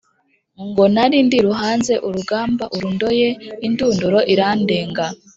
Ngo nari ndiruhanze urugamba uru Ndoye indunduro irandenga